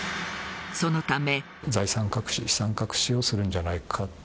そのため。